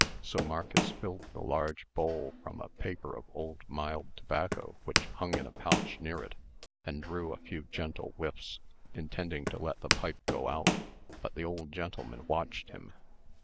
So Marcus filled the large bowl from a paper of old, mild tobacco, which hung in a pouch near it, and drew a few gentle whiffs, intending to let the pipe go out. But the old gentleman watched him.